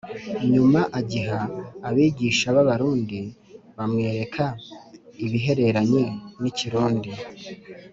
nyuma agiha abigisha b’Abarundi bamwereka ibihereranye n’ikirundi.